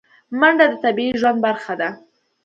منډه د طبیعي ژوند برخه ده